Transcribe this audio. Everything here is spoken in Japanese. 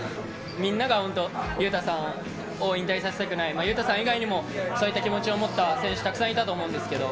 みんなが本当、雄太さん、引退させたくない、雄太さん以外にもそういった気持ちを持った選手、たくさんいたと思うんですけど。